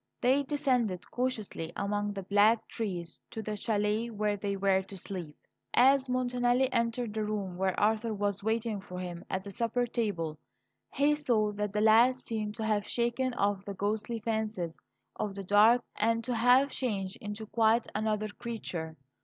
They descended cautiously among the black trees to the chalet where they were to sleep. As Montanelli entered the room where Arthur was waiting for him at the supper table, he saw that the lad seemed to have shaken off the ghostly fancies of the dark, and to have changed into quite another creature.